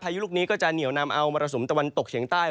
ยุลูกนี้ก็จะเหนียวนำเอามรสุมตะวันตกเฉียงใต้